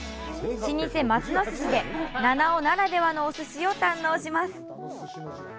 老舗・松乃鮨で七尾ならではのおすしを堪能します。